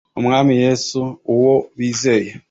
umwami yesu uwo bizeye